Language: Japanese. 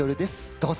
どうぞ。